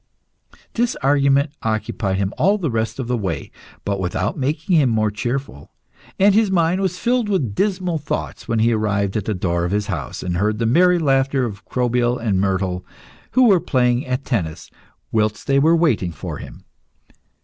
This argument occupied him all the rest of the way, but without making him more cheerful; and his mind was filled with dismal thoughts when he arrived at the door of his house and heard the merry laughter of Crobyle and Myrtale, who were playing at tennis whilst they were waiting for him.